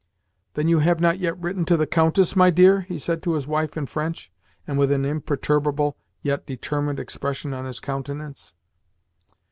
"Then you have not yet written to the Countess, my dear?" he said to his wife in French, and with an imperturbable, yet determined, expression on his countenance.